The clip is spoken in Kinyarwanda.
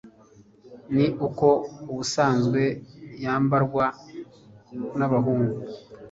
ni uko ubusanzwe yambarwa n’abahungu